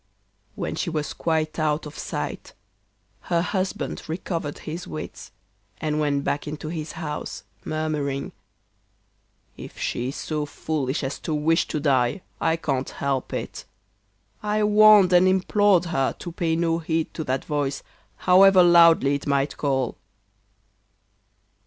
When she was quite out of sight her husband recovered his wits and went back into his house, murmuring: 'If she is so foolish as to wish to die, I can't help it. I warned and implored her to pay no heed to that voice, however loudly it might call.